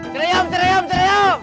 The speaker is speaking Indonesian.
ciriung ciriung ciriung